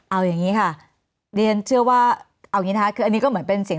เอาแบบนี้ค่ะเรียนเชื่อว่าเอานี้ท่ะกรับนี้ก็เหมือนเป็นเสียง